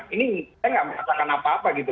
ini saya enggak merasakan apa apa gitu